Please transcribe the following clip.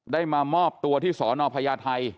ได้มามอบตัวที่สนพญาไทย